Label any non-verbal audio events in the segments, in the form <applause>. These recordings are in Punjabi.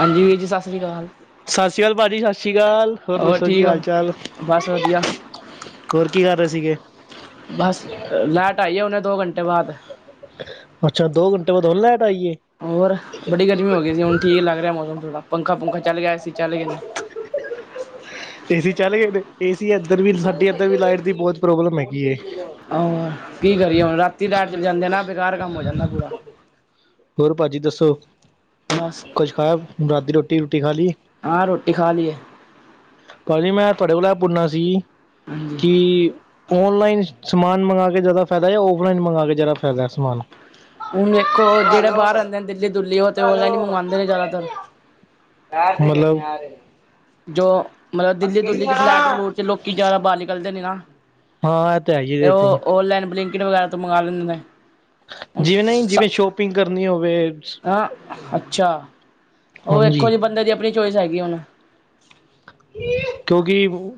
ਹਾਂਜੀ ਵੀਰ ਜੀ, ਸਤਿ ਸ੍ਰੀ ਅਕਾਲ। ਸਤਿ ਸ੍ਰੀ ਅਕਾਲ ਭਾਜੀ, ਸਤਿ ਸ੍ਰੀ ਅਕਾਲ, ਹੋਰ ਦੱਸੋ ਕੀ ਠੀਕ ਹੋ ਹਾਲ ਚਾਲ। ਬਸ ਵਧੀਆ ਹੋਰ ਕੀ ਕਰ ਰਹੇ ਸੀਗੇ ਬਸ ਲੈਟ ਆਈ ਆ, ਹੁਣ ਦੋ ਘੰਟੇ ਬਾਅਦ। ਅੱਛਾ ਦੋ ਘੰਟੇ ਬਾਅਦ ਹੁਣ ਲਾਇਟ ਹੋਰ ਬੜੀ ਗਰਮੀ ਹੋ ਗਈ ਸੀ, ਹੁਣ ਠੀਕ ਲੱਗ ਰਿਹਾ ਮੌਸਮ ਥੋੜਾ। ਪੰਖਾ ਪੁਖਾ ਚੱਲ ਗਿਆ ਏ ਸੀ ਚੱਲ ਗਏ ਨੇ ਏ ਸੀ ਚੱਲ ਗਏ ਫਿਰ ਏਸੀ, ਇੱਧਰ ਵੀ ਸਾਡੀ ਇੱਧਰ ਵੀ ਲਾਈਟ ਦੀ ਬਹੁਤ ਪ੍ਰੋਬਲਮ ਹੈਗੀ ਏ। ਹੋਰ ਕੀ ਕਰੀਏ ਹੁਣ ਰਾਤੀ ਲੈਟ ਚਲੇ ਜਾਂਦੇ ਨਾ ਬੇਕਾਰ ਕੰਮ ਹੋ ਜਾਂਦਾ ਪੂਰਾ <unintelligible> ਹੋਰ ਭਾਜੀ ਦੱਸੋ, ਬਸ ਕੁੱਛ ਖਾਆ ਰਾਤ ਦੀ ਰੋਟੀ ਰੋਟੀ ਖਾ ਲਈ। ਹਾਂ ਰੋਟੀ ਖਾ ਲਈ ਏ। ਭਾਜੀ ਮੈਂ ਤੁਹਾਡੇ ਕੋਲ ਇਹ ਪੁੱਛਣਾ ਸੀ ਹਾਂਜੀ ਕਿ ਔਨਲਾਈਨ ਸਮਾਨ ਮੰਗਾ ਕੇ ਜ਼ਿਆਦਾ ਫਾਇਦਾ, ਜਾਂ ਔਫਲਾਈਨ ਮੰਗਵਾ ਕੇ ਜ਼ਿਆਦਾ ਫਾਇਦਾ ਏ ਸਮਾਨ। ਹੁਣ ਵੇਖੋ, ਜਿਹੜੇ ਬਾਹਰ ਆਂਦੇ ਦਿੱਲੀ ਦੁਲੀ ਉਹ ਤੇ ਆਨਲਾਈਨ ਮੰਗਵਾਉਂਦੇ ਨੇ ਜ਼ਿਆਦਾਤਰ। ਮਤਲਬ ਜੋ ਮਤਲਬ ਦਿੱਲੀ ਦੁਲੀ ਚ ਫਲੈਟ ਫਲੂਟ ਚ ਲੋਕੀ ਜ਼ਿਆਦਾ ਬਾਹਰ ਨਿਕਲਦੇ ਨੇ ਨਾ। ਹਾਂ ਇਹ ਤਾਂ ਹੈ ਹੀ ਤੇ ਦੇਖੋ ਉਹ ਓਨਲਾਈਨ ਬਲਿੰਕਟ ਵਗੈਰਾ ਤੋਂ ਮੰਗਵਾ ਲੈਂਦੇ ਨੇ। ਜਿਵੇਂ ਨਹੀਂ ਜਿਵੇਂ ਸ਼ੋਪਿੰਗ ਕਰਨੀ ਹੋਵੇ ਹਂ ਅੱਛਾ, ਉਹ ਹਾਂਜੀ ਵੇਖੋ ਜੀ ਬੰਦੇ ਦੀ ਆਪਣੀ ਚੋਇਸ ਹੈਗੀ ਹੁਣ। ਕਿਉਂਕਿ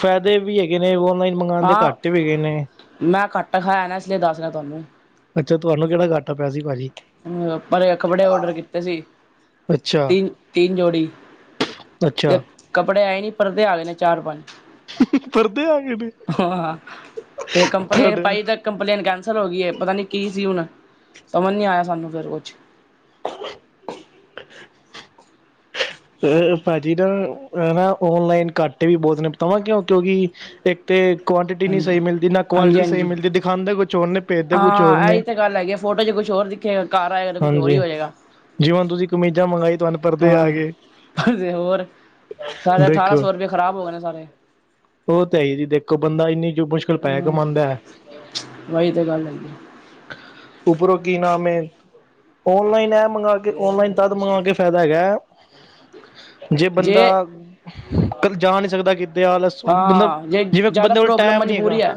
ਫਾਇਦੇ ਵੀ ਹੈਗੇ ਨੇ ਔਨਲਾਈਨ ਮੰਗਾਉਣ ਦੇ, ਘਾਟੇ ਵੀ ਹੈਗੇ ਨੇ। ਪਖਾਇਆ ਨਾ ਇਸ ਲਈ ਦੱਸ ਰਿਹਾ ਤੁਹਾਨੂੰ। ਅੱਛਾ ਤੁਹਾਨੂੰ ਕਿਹੜਾ ਘਾਟਾ ਪਿਆ ਸੀ ਭਾਜੀ। ਪਰ ਕੱਪੜੇ ਓਡਰ ਕੀਤੇ ਸੀ ਅੱਛਾ ਤਿੰਨ ਤਿੰਨ ਜੋੜੀ ਤੇ ਅੱਛਾ ਕੱਪੜੇ ਆਏ ਨੀ ਪਰਦੇ ਆ ਗਏ ਨੇ ਚਾਰ ਪੰਜ ਪਰਦੇ ਆ ਗਏ ਨੇ ਹਾਂ ਤੇ ਕੰਪਲੇਂਨ ਤੁਹਾਡੇ ਪਾਈ ਤਾਂ ਕੰਪਲੇਂਨ ਕੈਂਸਲ ਹੋ ਗਈ ਹੈ ਪਤਾ ਨੀ ਕੀ ਸੀ ਹੁਣ ਸਮਝ ਨੀ ਆਇਆ ਸਾਨੂੰ ਫਿਰ ਕੁਛ <inaudible> ਅ ਭਾਜੀ ਨਾ ਹਨ ਨਾ ਔਨਲਾਈਨ ਘਾਟੇ ਵੀ ਬਹੁਤ ਨੇ ਬਤਾਵਾਂ ਕਿਉਂ ਕਿਉਂਕਿ ਇੱਕ ਤੇ ਕੁਆਂਟਿਟੀ ਨਹੀਂ ਹਾਂਜੀ ਸਹੀ ਮਿਲਦੀ ਨਾ ਹਾਂਜੀ ਕੁਆਲਿਟੀ ਸਹੀ ਹਾਂਜੀ ਮਿਲਦੀ ਦਿਖਾਉਂਦੇ ਕੁਛ ਹੋਰ ਨੇ ਤੇ ਭੇਜਦੇ ਕੋਛ ਹਾਂ ਹੋਰਨੇ ਇਹੀ ਤਾਂ ਗੱਲ ਹੈਗੀ ਆ ਫੋਟੋ ਚ ਕੁਛ ਹੋਰ ਦਿਖੇਗਾ ਘਰ ਆਏਗਾ ਤੇ ਕੁਛ ਹੋਰ ਈ ਹੋ ਜੇਗਾ ਜਿਵੇਂ ਹੁਨ ਤੁਸੀਂ ਕਮੀਜ਼ਾਂ ਮੰਗਾਈ ਤੁਹਾਨੂੰ ਪਰਦੇ ਆ ਗਏ ਹਾਂ ਹੋਰ ਸਾਰੇੇ ਅਠਾਰਾਂ ਸੌ ਰੁਪਏ ਖ਼ਰਾਬ ਹੋ ਗਏ ਨੇ ਸਾਰੇ ਔ ਤੇ ਇ ਜੀ ਦੇਖੋ ਬੰਦਾ ਇੰਨੀ ਮੁਸ਼ਕਿਲ ਪੈਹੇ ਹੂੰ ਕਮਾਂਦਾ ਹੈ। ਵਹੀ ਤੇ ਗੱਲ ਹੈਗੀ ਉੱਪਰੋਂ ਕੀ ਨਾਮ ਐ? ਔਨਲਾਈਨ ਐ ਮੰਗਾ ਕੇ, ਔਨਲਾਈਨ ਤਦ ਮੰਗਵਾ ਕੇ ਫ਼ੇਦਾ ਹੈਗਾ ਜੇ ਬੰਦਾ ਜਾ ਨੀ ਸਗਦਾ ਕਿੱਦੇ ਆਲਸ ਬੰਦਾ ਹਾਂ ਜੇ ਜਿਵੇਂ ਜ਼ਿਆਦਾ ਬੰਦੇ ਕੋਲ ਪ੍ਰੋਬਲਮ ਟਾਈਮ ਨਹੀਂ ਹੈਗਾ ਮਜ਼ਬੂਰੀ ਹੈ,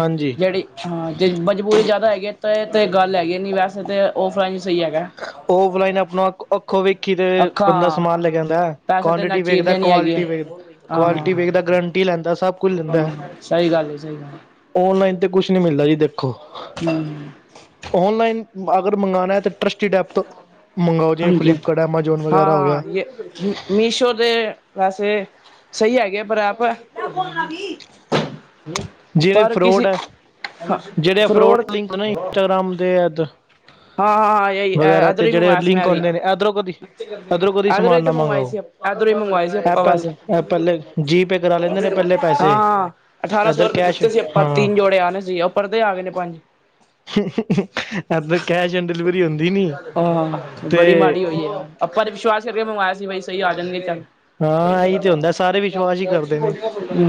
ਹਾਂਜੀ ਜਿਹੜੀ ਹਾਂ ਜੇ ਮਜ਼ਬੂਰੀ ਜ਼ਿਆਦਾ ਹੈਗੀ ਤਾਂ ਤੇ ਗੱਲ ਹੈਗੀ ਨੀ ਵੈਸੇ ਤਾਂ ਔਫਲਾਈਨ ਸਹੀ ਹੈਗਾ ਉ ਬਲਾਈ ਨੇ ਅਪਣਾ ਅੱਖੋਂ ਅੱਖੋ ਵੇਖ ਕੀਦੇ ਬੰਦਾ ਅੱਖਾਂ ਸਮਾਨ ਲੈਕੇ ਆਂਦਾ ਏ ਪੈਸੇ ਦੇ ਨਾਲ ਕੁਆਂਟਿਟੀ ਚੀਲ ਵੇਖਦਾ ਏ, ਲੈਣੀ ਹੈਗੀ ਕੁਆਲਿਟੀ ਹੈ ਵੇਖਦਾ, ਆਹੋ ਕੁਆਲਿਟੀ ਵੇਖਦਾ ਏ ਗਰੰਟੀ ਲੈਂਦਾ ਏ, ਸਭ ਕੁਛ ਲੈਂਦਾ ਹਾਂ ਸਹੀ ਗੱਲ ਹੈ ਸਹੀ ਗੱਲ ਔਨਲਾਈਨ ਕੁਛ ਨੀ ਮਿਲਦਾ ਜੀ ਦੇਖੋ, ਹੂੰ ਔਨਲਾਈਨ ਅਗਰ ਮੰਗਾਣਾ ਏ ਤੇ ਟਰੱਸਟੀ ਡੈਪ ਤ ਹਾਂਜੀ, ਹੋ ਗਿਆ ਹਾਂ-ਹਾਂ ਯ ਮੀਸ਼ੋ ਦੇ ਵੈਸੇ ਸਹੀ ਹੈਗੇ ਪਰ ਆਪ ਜਿਹੜੇ ਪਰ ਫਰੋਡ ਕਿਸੀ ਹੈ ਜਿਹੜੇ ਫਰੋਡ ਫਰੋਰ' ਲਿੰਕ ਨਾ ਇੰਸਟਾਗ੍ਰਾਮ ਦੇ ਵਗੈਰਾ ਤੇ ਇਧਰੋਂ ਹੀ ਜੇੜੇ ਮੰਗਵਾਇਆ ਸੀ ਲਿੰਕ ਮੈਂ ਵੀ ਹੁੰਦੇ ਨੇ ਏਦਰੋਂ ਕਦੀ, ਏਦਰੋਂ ਕਦੀ ਇਧਰੋਂ ਸਮਾਨ ਹੀ ਨਾ ਤਾਂ ਮੰਗਵਾਏ ਮੰਗਾਓ ਸੀ ਇਧਰੋਂ ਹੀ ਮੰਗਵਾਏ ਸੀ ਏ ਆਪਾਂ ਪੇਲ ਵੈਸੇ ਏ ਪੇਲੇ ਜੀਪੇ ਕਰਾ ਲੈਂਦੇ ਨੇ ਪੇਲੇ ਪੈਸੇ ਹਾਂ ਅਠਾਰਾਂ ਸੌ ਦਰ ਰੁਪਏ ਕੈਸ਼, ਦਿੱਤੇ ਸੀ ਆਪਾਂ ਹਾਂ ਤਿੰਨ ਜੋੜੇ ਆਣੇ ਸੀ ਉਹ ਪਰਦੇ ਆ ਗਏ ਨੇ ਪੰਜ ਵ ਕੈਸ਼ ਐਂਡ ਡਿਲੀਵਰ ਆਹ! ਬੜੀ ਮਾੜੀ ਹੋਈ ਐ। ਆਪਾਂ ਤੇ ਵਿਸ਼ਵਾਸ ਕਰਕੇ ਮੰਗਵਾਯਾ ਸੀ ਬਈ ਸਹੀ ਆ ਜਾਨਗੇ ਚੱਲ ਹਾਂ ਐਈ ਤੇ ਹੁੰਦਾ ਸਾਰ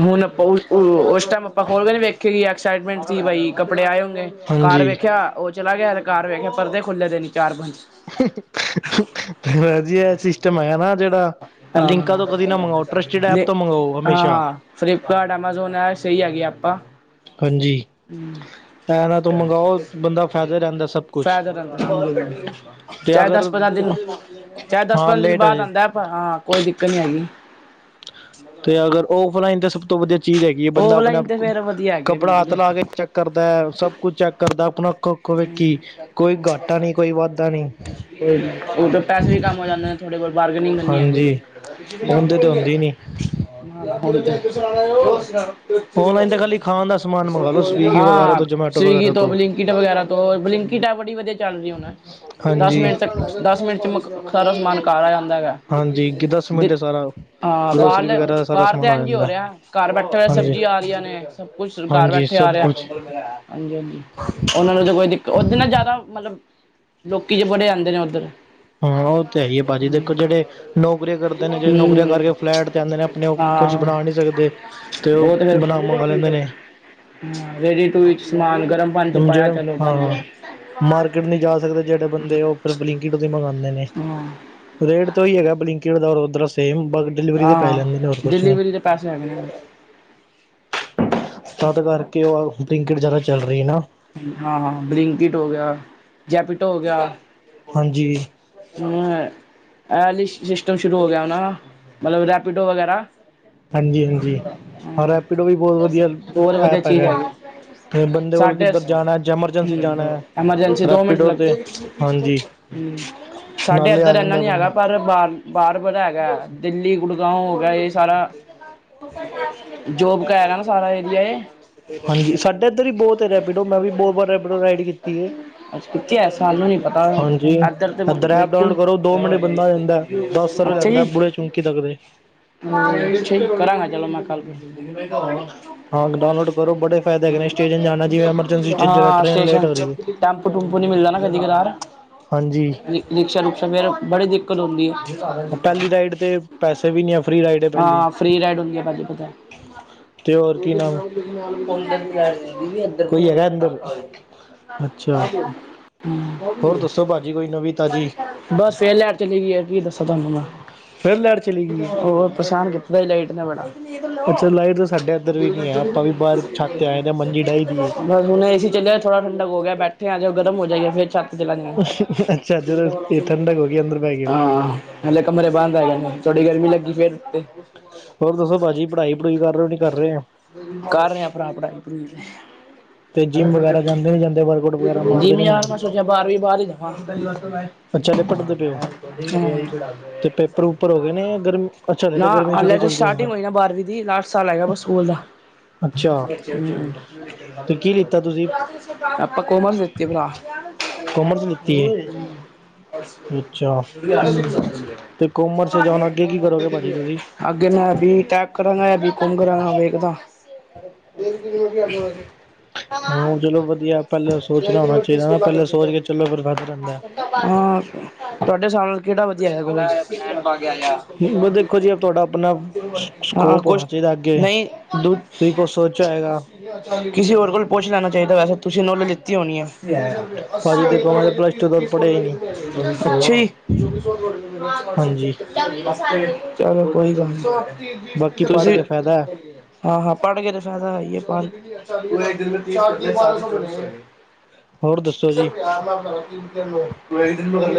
ਹੁਣ ਅਪਾਂ ਔ ਔ ਔਸ ਟੇਮ ਆਪਾਂ ਖੋਲ ਕੇ ਨੀ ਵੇਖੇਈ ਸਾਈਟਮੈਂਟ ਸੀ ਬਈ ਕੱਪੜੇ ਆਏ ਹੋਗੇ ਘਰ ਹਾਂਜੀ ਵੇਖਿਆ ਉ ਚਲਾ ਗਆ ਤੇ ਘਰ ਵੇਖਿਆ ਪਰਦੇ ਖੁੱਲੇ ਦੇ ਨੀ ਚਾਰ ਪੰਜ ਜੀ ਇਹ ਸਿਸਟਮ ਹੈ ਨਾ ਜੇੜਾ ਲਿੰਕਾ ਤੋਂ ਕਦੀ ਨਾ ਮੰਗਉ ਹਾਂ-ਹਾਂ ਫਲਿਪਕਾਰਟ, ਐਮਾਜੋਨ ਐ ਸਈ ਹੈਗੀ ਏਪਾਂ ਹੁੰ ਪੈਰਾ ਤੋਂ ਮੰਗਾਓ ਬੰਦਾ ਫ਼ੇਦੇ ਰੇਂਦਾ ਸਭ ਕੁਛ ਫਾਇਦਾ ਰਹਿੰਦਾ ਹਾਂਜੀ ਤੇ ਚਾਹੇ ਅਗਰ ਦਸ ਪੰਦਰਾਂ ਦਿਨ ਚਾਹੇ ਦਸ ਹਾਂ ਪਜੰ ਦਿਨ ਲੇਟ ਆ ਬਾਦ ਜਾਓ ਆਂਦਾ ਏ ਪਰ ਹਾਂ ਕੋਈ ਦਿੱਕਤ ਨੀ ਹੈਗੀ ਤੇ ਅਗਰ ਔਫਲਾਈਨ ਤੇ ਸਭ ਤੋਂ ਵਧੀਆ ਚੀਜ਼ ਹੈਗੀ ਏ ਬੰਦਾ ਅਪਨੇ ਔਫਲਾਈਨ ਆਪ ਤੇ ਫੇਰ ਵਧੀਆ ਹੈਗੀ ਆ ਕੱਪੜਾ ਹੱਥ ਬਿਲਕੁਲ ਲਾ ਕੇ ਚੈੱਕ ਕਰਦਾ ਏ ਸਭ ਕੁਛ ਚੈੱਕ ਕਰਦਾ ਆਪਣਾ ਅੱਖੋਂ ਵੇਖੀ ਕੋਈ ਘਾਟਾ ਨਹੀਂ ਕੋਈ ਵਾਧਾ ਨਹੀਂ ਉ ਤੇ ਪੈਸੇ ਵੀ ਕੰਮ ਹੋ ਜਾਂਦੇ ਨੇ ਤੁਹਾਡੇ ਕੋਲ ਬਾਰਗੇਨਿੰਗ ਨੀ ਹਾਂਜੀ ਉਹਦੇ ਤੇ ਹੁੰਦੀ ਨੀ <unintelligible> <unintelligible> ਔਨਲਾਈਨ ਤਾਂ ਖਾਲੀ ਖਾਣ ਦਾ ਸਮਾਨ ਮੰਗਵਾ ਲੋ ਸਵੀਗੀ ਵਗੈਰਾ ਹਾਂ, ਤੋਂ ਜਮੈਟੋ ਸਵਿਗੀ ਵਗੈਰਾ ਤੋਂ ਬਲਿੰਕਿਟ ਵਗੈਰਾ ਬਲਿੰਕੀਟ ਏਪ ਬੜੀ ਵਧੀਆ ਚੱਲ ਰਹੀ ਹੁਨ। ਦਸ ਹਾਂਜੀ ਮਿੰਟ ਚ ਦਸ ਮਿੰਟ ਚ ਮਕ ਸਾਰਾ ਸਮਾਨ ਘਰ ਆ ਜਾਂਦਾ ਦਾ ਏਗਾ ਹਾਂਜੀ ਦਸ ਦੀ ਮਿੰਟ ਸਾਰਾ ਹਾਂ, ਗਰੋਸਰੀ ਬਾਰਲੇ ਵਗੈਰਾ ਦਾ ਸਾਰਾ ਬਾਰ ਤੇ ਸਮਾਨ ਆ ਐਂਜ ਈ ਹੋ ਜਾਂਦਾ ਰਿਆ, ਘਰ ਬੈਠੇ ਹਾਂਜੀ ਸਬਜ਼ੀ ਆਰੀਆਂ ਨੇ ਕੁੱਛ ਘਰ ਹਾਂਜੀ ਬੈਠੇ ਸਭ ਕੁਛ <unintelligible> ਕੋਈ ਦਿੱਕ, ਉਧਰ ਨਾ ਜਾਂਦਾ ਮਤਲਬ ਲੋਕੀ ਜੇ ਬੜੇ ਆਂਦੇ ਨੇ ਉੱਦਰ। ਹਾਂ ਔ ਤੇ ਹੈਈ ਏ ਭਾਜੀ, ਦੇਖੋ ਜੇੜੇ ਨੌਕਰੀਆਂ ਕਰਦੇ ਨੇ ਜੇ ਨੌਕਰੀਆਂ ਹਮ ਕਰਕੇ ਫਲੈਟ ਤੇ ਆਂਦੇ ਨੇ ਆਪਨੇ ਕੁਛ ਹਾਂ ਬਨਾ ਨੀ ਸਗਦੇ, ਤੇ ਉ ਬਨਾ ਮੰਗਾ ਲੈਂਦੇ ਨੇ ਹੂੰ ਰੇਡੀ ਟੂ ਸਮਾਨ ਗਰਮ ਪਾਣੀ 'ਚ ਪਾਯਾ ਜਿਹੜੇ ਚਲੋ। ਬਣ ਹਾਂ, ਗਿਆ। ਮਾਰਕੇਟ ਨਈ ਜਾ ਸਕਦੇ ਜੇੜੇ ਬੰਦੇ, ਉ ਫੇਰ ਬਲਿੰਕਿ ਮਗਾਂਦੇ ਨੇ, ਹਾਂ, ਰੇਟ ਤੇ ਉਈ ਹੈਗਾ, ਬਲਿੰਕੀਟ ਦਾ ਔਰ ਉੱਦਰੋ ਸੇਮ ਡਿਲੀਵਰੀ ਤੋਂ ਪੈਸੇ ਹਾਂ ਲੈਂਦੇ ਨੇ, ਹੋਰ ਕੁਛ ਨੀ। ਡਿਲੀਵਰੀ ਦੇ ਪੈਸੇ ਹੈਗੇ ਨੇ ਤਦ ਕਰਕੇ, ਉਹ ਬਲਿੰਕੀਟ ਜ਼ਿਆਦਾ ਚੱਲ ਰਹੀ ਨਾ। ਹਾਂ ਹਾਂ ਬਲਿੰਕਿਟ ਹੋ ਗਿਆ, ਜੈਪਿਟੋ ਹੋ ਗਿਆ। ਹਾਂਜੀ । ਨਾਅ, ਇਹ ਸਿਸਟਮ ਸ਼ੁਰੂ ਹੋ ਗਿਆ ਨਾ, ਮਤਲਬ ਰੈਪਿਡੋ ਵਗੈਰਾ। ਹਾਂਜੀ ਹਾਂਜੀ, ਹਾਂ ਰੈਪੀਡੋ ਵੀ ਬਹੁਤ ਵਧੀਆ ਬਹੁਤ ਵਧੀਆ ਐਪ ਚੀਜ਼ ਹੈਗਾ। ਹੈਗੀ ਤੇ ਬੰਦੇ ਵੱਲ ਸਾਡੇ ਕਿੱਧਰ ਜਾਣਾ ਹੈ, ਐਮਰਜੈਂਸੀ ਜਾਣਾ ਹੂੰ ਹੈ ਐਮਰਜੈਂਸੀ ਦੋ ਮਿੰਟ ਰੈਪੀਡੋ ਲੱਗ ਤੇ ਹਾਂਜੀ। ਹੂੰ ਸਾਡੇ ਨਾਲੇ ਆ ਇੱਧਰ ਇੰਨਾ ਜਾਂਦਾ ਨੀ ਹੈਗਾ, ਬੰਦਾ ਪਰ ਬਾਹਰ ਬਾਹਰ ਬੜਾ ਹੈਗਾ ਦਿੱਲੀ ਗੁੜਗਾਵ ਹੋ ਗਿਆ, ਇਹ ਸਾਰਾ ਜੋਬ ਕਾ ਹੈਗਾ ਨਾ ਸਾਰਾ ਏਰੀਆ ਇਹ ਹਾਂਜੀ, ਸਾਡਾ ਇੱਧਰ ਹੀ ਬਹੁਤ ਰੈਪੀਡੋ ਮੈਂ ਵੀ ਬੋ ਵਾਰ ਰੈਪੀਡੋ ਰਾਈਡ ਕੀਤੀ ਐ ਅੱਛਾ ਕਿੱਥੇ ਹੈ ਸਾਨੂੰ ਨੀ ਪਤਾ ਹਾਂਜੀ ਇੱਧਰ ਤੇ ਐਪ ਵੇਖੀ ਨੀ ਡਾਊਨਲੋਡ ਕਰੋ ਦੋ ਮਿੰਟੇ ਬੰਦਾ ਆ ਜਾਂਦਾ, ਦਸ ਰੁਪਯੇ ਅੱਛਾ ਜੀ ਲੈਂਦਾ ਬੁਰੇ ਚੌਕੀ ਤੱਕਦੇ। ਕਰਾਂਗਾ ਚਲੋ ਮੈਂ ਕਾਲ ਹਾਂ ਡਾਊਨਲੋਡ ਕਰੋ ਬੜੇ ਫਾਇਦੇ ਹੈਗੇ ਨੇ ਸਟੇਸ਼ਨ ਜਾਣਾ ਜਿਵੇਂ ਐਮਰਜੈਂਸੀ ਸਟੇਸ਼ਨ ਹਾਂ ਟ੍ਰੇਨ ਲੇਟ ਸਟੇਸ਼ਨ ਹੋ ਚ ਰਹੀ ਹੈ ਟੈਪੂ ਟੂਪੂ ਨ ਮਿਲਦਾ ਨਾ ਕਦੀ ਕਲਾਰੱ ਹਾਂਜੀ ਰਿਕਸ਼ਾ ਰੁਿਕਸ਼ਾ ਮੇਰਾ ਬੜੀ ਦਿੱਕਤ ਆਉਦੀ ਐ। ਪਹਿਲੀ ਰਾਈਡ ਤੇ ਪੈਸੇ ਵੀ ਨਹੀਂ ਆ ਫ੍ਰਰੀ ਰਾਈਡ ਹੈ ਪਹਿਲੀ ਹਾਂ, ਫ੍ਰੀ ਰਾਇਡ ਹੁੰਦੀ ਐ ਭਾਜੀ ਪਤਾ। ਤੇ ਹੋਰ ਤੁ ਕੀ ਨਾਮ ਹੈ, ਸੁਣਾ ਕੋਈ ਹੈਗਾ ਅੰਦਰ ਅੱਛਾ ਸੁ <unintelligible> ਹਮ ਹੋਰ <unintelligible> ਦੱਸੋ ਭਾਜੀ ਕੋਈ ਨਵੀਂ ਤਾਜ਼ੀ ਬਸ ਫੇਰ ਲੈਈਟ ਚਲੀ ਗਈ ਆ, ਕੀ ਦੱਸਾਂ ਤੁਹਾਨੂੰ ਮੈਂ ਫੇਰ ਲੈਟ ਚਲੀ ਗਈ ਏ ਹੋਰ ਪਰੇਸ਼ਾਨ ਕੀਤਾ ਏ ਲਾਈਟ ਨੇ ਬੜਾ। ਅੱਛਾ ਲਾਈਟ ਤਾਂ ਸਾਡੇ ਇੱਧਰ ਵੀ ਨੀ ਹੈ ਆਪਾਂ ਵੀ ਬਾਹਰ ਛੱਤ ਤੇ ਆਏ ਦੇ ਮੰਜੀ ਡਾਹੀ ਦੀ ਏ। ਬਸ ਹੁਣੇ, ਏੇ ਸੀ ਚਲਿਆ। ਹ ਠੰਡਕ ਹੋ ਗਿਆ ਬੈਠੇ, ਆ ਜੇ ਗਰਮ ਹੋ ਜਾਏਗਾ ਫੇਰ। ਛੱਤ ਅੱਛਾ ਜਦੋਂ ਇਹ ਠੰਡਕ ਹੋ ਗਈ ਅੰਦਰ ਬਹਿ ਗਏ ਹੋ। ਹਾਂ ਹਾਲੇ ਕਮਰੇ ਬੰਦ ਹੈਗਾ ਨੇ। ਬੜੀ ਗਰਮੀ ਲੱਗੀ ਫੇਰ ਤੇ ਹੋਰ ਦੱਸੋ, ਭਾਜੀ ਪੜ੍ਹਾਈ ਪੜੂਈ ਕਰ ਰਹੇ? ਕਰ ਰਹੇ ਹੋ। ਕਰ ਰਿਹਾ ਆ, ਭਰਾ ਪੜਾਈ ਪੜੂਈ ਤੇ- ਤੇ ਜਿੰਮ ਵਗੈਰਾ ਜਾਂਦੇ ਨੀ ਜਾਂਦੇ ਵਰਕਆਊਟ ਵਗੈਰਾ ਮਾਰਦੇ ਜਿਵੇਂ ਨੀ ਯਾਰ, ਮਾਰਦੇ ਮੈਂ ਸੋਚਿਆ ਬਾਰਵੀਂ ਸਾਰੀਾ ਗਦਾ ਅੱਛਾ ਹਲੇ ਪੜ੍ਹਦੇ ਪਏ ਹੋ। ਤੇ ਪੇਪਰ ਪੂਪਰ ਹੋ ਗਏ ਨੇ <unintelligible> ਗਰਮੀ ਅੱਛਾ ਹਲੇ ਨਾ ਤਾਂ ਗਰਮੀ ਦੀ ਹਾਲੇ ਛੁੱਟੀਆਂ ਤਾਂ ਚੱਲਦੀਆਂ ਹੋਣੀਆਂ। ਸਟਾਰਟਿੰਗ ਹੋਈ ਨਾ ਬਾਰਵੀਂ ਦੀ, ਲਾਸਟ ਸਾਲ ਹੈਗਾ, ਬਸ ਸਕੂਲ ਦਾ‌। ਅੱਛਾ। ਤੇ ਕੀ ਲਿੱਤਾ ਤੁਸੀਂ ਆਪਾਂ ਕੋਮਰਸ ਲਿਤੀ ਭਰਾ। <inaudible> ਕੋਮਰਸ ਲਿੱਤੀ ਏ। ਅੱਛਾ ਤੇ ਕੋਮਰਸ ਚ ਹੁਣ ਅੱਗੇ ਕੀ ਕਰੋਗੇ ਭਾਜੀ ਤੁਸੀਂ। ਅੱਗੇ ਮੈਂ ਬੀ ਟੈਕਾਂ ਕਰਾਂਗਾ ਜਾਂ ਬੀ ਕੌਮ ਕਰਾਂਗਾ ਵੇਖਦਾ। ਇਹ ਕਿ ਹਾਂ ਚਲੋ ਵਧੀਆ ਪਹਿਲਾਂ <unintelligible> ਸੋਚਣਾ ਲਗਦੀ ਹੋਣਾ ਲੱਗਦੀ ਚਾਹੀਦਾ ਨਾ ਸੇਵਾ ਪਹਿਲਾਂ ਕਰਦੇ ਸੋਚ ਪਏ ਕੇ ਚਲੋ ਫਿਰ ਫਾਇਦਾ ਰਹਿੰਦਾ। ਆ, ਤੁਹਾਡੇ ਸਾਬ ਕਿਹੜਾ ਵਧੀਆ ਹੈਗਾ, ਕੋਰਸ ਬ ਦੇਖੋ ਜੀ ਤੁਹਾਡਾ ਆਪਣਾ ਹਾਂ ਸਕੋਪ ਹੋਣਾ ਕੁਛ ਚਾਹੀਦਾ ਅੱਗੇ ਨਹੀਂ, ਦ ਤੁਸੀਂ ਕੁਛ ਸੋਚਿਆ ਹੋਏਗਾ ਕਿਸੀ ਹੋਰ ਕੋਲ ਪੁੱਛ ਲੈਣਾ ਚਾਹੀਦਾ ਵੈਸੇ, ਤੁਸੀਂ ਨੌਲੇਜ ਲਿਤੀ ਹੋਣੀ ਆ। ਭਾਜੀ ਦੇਖੋ ਮੈਂ ਪਲੱਸ ਟੂ ਤੋਂ ਪੜ੍ਹਿਆ ਹੀ ਨਹੀਂ ਅੱਛੀ ਹਾਂਜੀ ਚਲੋ ਕੋਈ ਗੱਲ ਨੀ, ਬਾਕੀ ਪੜ੍ਹ ਤੁਸੀਂ ਕੇ ਫਾਇਦਾ ਹਾਂ ਹਾਂ ਪੜ੍ਹ ਕੇ ਤੇ ਫਾਇਦਾ ਹੀ ਹੈ, ਪਰ ਪਿਆਰ ਹੋਰ ਦੱਸੋ ਜੀ ਨਾਲ ਕਰਨ ਦੀ ਤੇ ਲੋੜ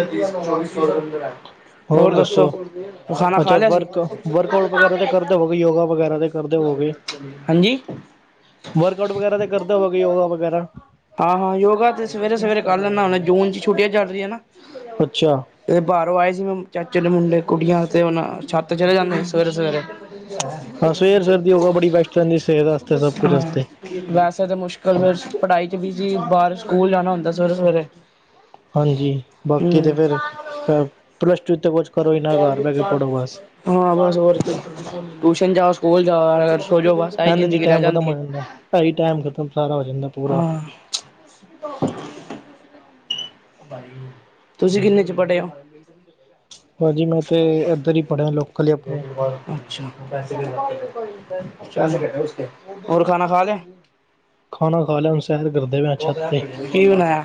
ਹੋਰ ਦੱਸੋ ਅੱਛਾ ਲਿਆ ਸੀ ਵਰਕ, ਵਰਕ ਆਊਟ ਵਗੈਰਾ ਤੇ ਕਰਦੇ ਹੋਗੇ ਯੋਗਾ ਵਗੈਰਾ ਤੇ ਕਰਦੇ ਹਾਂਜੀ ਵਰਕ ਆਊਟ ਵਗੈਰਾ ਤੇ ਕਰਦਾ ਹੋਗੇ, ਯੋਗਾ ਵਗੈਰਾ ਹਾਂ-ਹਾਂ ਯੋਗਾ ਤੇ ਸਵੇਰੇ ਸਵੇਰੇ ਕਰ ਲੈਂਦਾ ਹੂਨਾ, ਜੂਨ ਚ ਛੁੱਟੀਆਂ ਚੱਲ ਰਹੀ ਨਾ ਅੱਛਾ ਇਹ ਬਾਹਰੋਂ ਆਏ ਸੀ ਮੈਂ ਚਾਚੇ ਦੇ ਮੁੰਡੇ ਕੁੜੀਆਂ ਤੇ ਹਣ ਛੱਤ ਚਲੇ ਜਾਂਦੇ ਸਵੇਰੇ-ਸਵੇਰੇ ਹਾਂ ਸਵੇਰ ਸਵੇਰ ਦੀ ਯੋਗਾ ਬੜੀ ਬੈਸਟ ਰਹਿੰਦੀ ਸਿਹਤ <unintelligible> ਵਾਸਤੇ ਸਭ ਕੁਝ ਵਾਸਤੇ ਵੈਸੇ ਤਾਂ ਮੁਸ਼ਕਿਲ ਫੇਰ ਪੜ੍ਹਾਈ ਚ ਬਿਜੀ ਬਾਹਰ ਸਕੂਲ ਜਾਣਾ ਹੁੰਦਾ ਸਵੇਰੇ-ਸਵੇਰੇ ਹਾਂਜੀ ਬਾਕੀ ਤੇ ਫੇਰ ਪਲੱਸ ਟੂ ਤੇ ਕੁਛ ਕਰੋ ਹੀ ਨਾ ਘਰ ਬਹਿ ਕੇ ਪੜ੍ਹੋ ਬਸ <unintelligible> ਹਾਂ ਬਸ ਹੋਰ ਟਿਊਸ਼ਨ ਜਾ ਸਕੂਲ ਜਾ ਸੋ ਜਾੋ ਵ ਸਾਰੀ ਹਾਂਜੀ ਜੀ ਜ਼ਿੰਦਗੀ ਰਹਿ ਟਾਈਮ ਖਤਮ ਜਾਂਦੀ ਹੋ ਏ ਜਾਂਦਾ । ਢਾਈ ਟਾਈਮ ਖਤਮ ਸਾਰਾ ਹੋ ਜਾਂਦਾ ਪੂਰਾ ਹਾਂ। <inaudible> <unintelligible> ਤੁਸੀਂ ਕਿੰਨੇ ਚ ਪੜ੍ਹੇ ਹੋ ੈ ਭਾਜੀ ਮੈਂ ਤੇ ਇੱਧਰ ਹੀ ਪੜ੍ਹਿਆ ਲੋਕਲ ਆਪਣੇ <unintelligible> <unintelligible> ਹੋਰ ਖਾਣਾ ਖਾ ਲਿਆ ਖਾਣਾ ਖਾ ਲਿਆ ਹੁਣ ਸੈਰ ਕਰਦੇ ਪਏ ਛੱਤ ਤੇ ਕੀ ਬਣਾਇਆ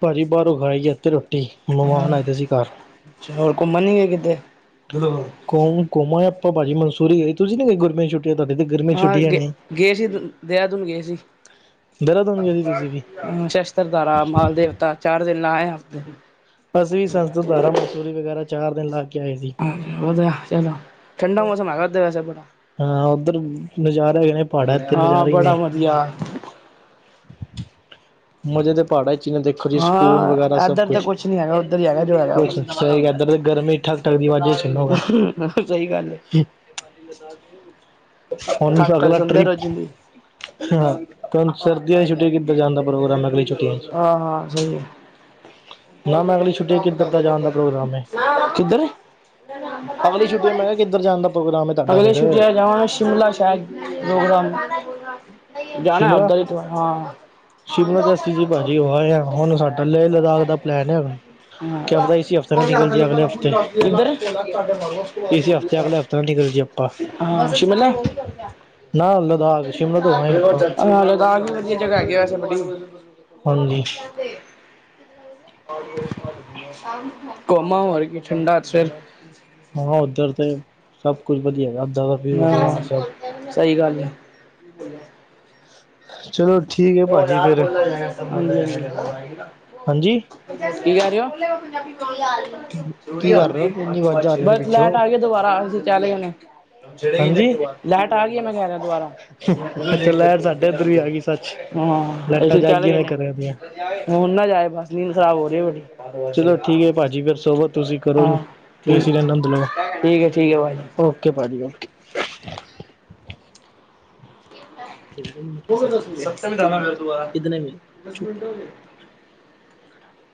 ਪਾਜੀ ਬਾਹਾਰੋਂ ਖਾਈ ਅਜਾ ਤੇ ਰ ਟੀ ਮਹਿਮਾਨ ਆਏ ਦੇ ਸੀ ਘਰ ਅੱਛਾ ਹੋਰ ਘੁੰਮਣ ਨੀ ਗਏ ਕਿਤੇ ਕੋ ਕੋਮਾਂ ਆਪਾਂ ਭਾਜੀ ਮਨਸੂਰੀ ਗਈ ਤੁਸੀਂ ਨੀ ਗੇ ਗੁਰਮੇ ਛੁੱਟੀ ਹਾਂ ਗ ਗਏ ਸੀ ਦੇਰਾਂਦੂਨ ਗਏ ਸੀ ਦੇਹਰਾਦੂਨ ਗਏ ਸੀ ਤੁਸੀਂ ਵੀ ਹ ਸ਼ਸਤਰਦਾਰਾ ਮਾਲ ਦੇਵਤਾ ਚਾਰ ਦਿਨ ਲਾਏ ੳਦੇ ਅਸੀ ਵੀ ਸਸਤਰਧਾਰਾ ਮਸੂਰੀ ਵਗੈਰਾ ਚਾਰ ਦਿਨ ਲੱਗ ਹਾਂਜੀ ਵਧਆ ਚਲੋ ਠੰਡਾ ਮੌਸਮ ਹੈਗਾ ਵੈਸੇ ਬੜਾ ਹਾਂ ਉੱਧਰ ਨਜ਼ਾਰਾ ਹੈਗੇ ਨੇ ਪਹਾੜਾਂ ਤੇ ਹਾਂ ਨਜ਼ਾਰੇ ਹੀ ਬੜਾ ਨੇ ਵਧੀਆ ਮਜ਼ੇ ਦੇ ਪਹਾੜਾਂ ਜਿਵੇੰ ਦੇਖੋ ਜੀ ਸਕੂਲ ਹਾਂ ਵਗੈਰਾ ਸਭ ਇੱਧਰ ਕੁਛ ਤਾਂ ਨੀ ਹੈਗਾ ਉੱਧਰ ਹੀ ਹੈਗਾ ਜੋ ਹੈਗਾ ਕੁਛ ਬਸ ਸਹੀ ਇਧਰ ਗਰਮੀ ਠੱਕ ਠਕਦੀ ਸਹੀ ਗੱਲ ਹੈ <unintelligible> ਹੁਣ ਥੱਕ ਥੱਕ ਅਗਲਾ ਸੁਣਦੇ ਟ੍ਰਿਪ ਰੋਜ਼ ਦੀ ਹ ਸਰਦੀਆਂ ਦੀ ਛੂਟੀਐ ਕੀਤਾ ਜਾਣ ਦਾ ਪ੍ਰੋਗਮ ਅਗ ਛੁਟੀ ਆਹ ਹ ਸਹੀ ਆ ਨਾ ਮੈਂ ਅਗਲੀ ਛੁੱਟੀ ਕਿੱਧਰ ਦਾ ਜਾਣ ਦਾ ਪ੍ਰੋਗਰਾਮ ਹੈ <unintelligible> ਕਿੱਧਰ <unintelligible> ਅਗਲੀ ਛੁੱਟੀਆਂ ਮੈਂ ਕਿਹਾ ਕਿੱਧਰ ਜਾਣ ਦਾ ਪ੍ਰੋਗਰਾਮ ਹੈ ਤੁਹਾਡਾ ਅਗਲੇ ਫਿਰ ਛੁੱਟਟੀ ਜਾਵਾਂਗੇ ਸ਼ਿਮਲਾ ਸ਼ਾਇਦ ਪ੍ਰੋਗਰਾਮ <inaudible> ਜਾਣਾ ਸ਼ਿਮਲਾ ਓਧਰ ਹੀ ਤ ਹਾਂ ਸ਼ਿਮਲਾ ਤੇ ਅਸੀਂ ਜੀ ਭਾਜੀ ਹੋ ਆਏ ਹਾਂ ਹੁਣ ਸਾਡਾ ਲੇਹ <unintelligible> <unintelligible> ਲਦਾਖ ਦਾ ਪਲੈਨ ਹੈ ਕਿਆ ਪਤਾ ਇਸੀ ਹਫ਼ਤੇ ਨਾ ਨਿਕਲ ਜੇ ਅਗਲੇ ਹਫ਼ਤੇ ਇਸੇ ਹਫ਼ਤੇ ਅਗਲੇ ਹਫ਼ਤੇ ਨਾ ਨਿਕਲ ਜੇ ਆਪਾਂ ਹਾਂ ਸ਼ਿਮਲਾ ਨਾ ਲਦਾਖ ਸ਼ਿਮਲਾ ਤੋਂ ਆਇਆ <unintelligible> ਹੈ ਲੱਦਾਖ ਵੀ ਵਧੀਆ ਜਗ੍ਹਾ ਹੈਗੀ <inaudible> ਵ ਹਾਂਜੀ <unintelligible> ਕੋਮਾ ਹੋਰ ਕਿ ਠੰਡਾ ਫਿਰ ਹਾਂ ਉੱਧਰ ਤੇ ਸਭ ਕੁਛ ਵਧੀਆ ਹੈਗਾ ਦਾ ਵਿਊ ਬੜਾ ਸਭ ਹਾਂ ਸਹੀ ਗੱਲ ਐ । ਚਲੋ ਠੀਕ ਹੈ <unintelligible> <unintelligible> ਭਾਜੀ ਫੇਰ ਹਾਂਜੀ ਕੀ ਕਰ ਰਹੇ ਹੋ ਇੰਨੀ ਆਵਾਜ਼ਾਂ ਆ ਰਹੀਆਂ ਨੇ ਬਸ ਪਿੱਛੋਂ ਲੈਟ ਆ ਗਏ ਦੁਬਾਰਾ ਅਸੀਂ ਚਾਰੋ ਜਣੇ ਹਾਂਜੀ ਲਾਈਟ ਆ ਗ ਮੈਂ ਕਹਿ ਰਿਹਾ ਦੁਬਾਰਾ ਅੱਛਾ ਲਾਈਟ ਸਾਡੇ ਇੱਧਰ ਵੀ ਆ ਗਈ ਸੱਚ ਹਾਂ ਲਾਈਟਾਂ ਅਸੀ ਜਗ ਚੱਲ ਗਈਆਂ ਗਏ ਨੇ ਘਰਾਂ ਦੀਆਂ ਹੁਣ ਨਾ ਜਾਏ ਬਸ ਨੀਂਦ ਖਰਾਬ ਹੋ ਰਹੀ ਬੜੀ। ਚਲੋ ਠੀਕ ਏ ਭਾਜੀ ਫਿਰ ਸੋਵੋ ਤੁਸੀਂ ਕਰੋ ਜ ਹਾਂ ਏ ਸੀ ਠੀਕ ਦਾ ਆਨੰਦ ਲਓ ਠੀਕ ਹੈ ਠੀਕ ਹੈ ਭਾਜੀ। <unintelligible> ਓਕੇ ਪਾਜੀ ਓਕੇ <inaudible>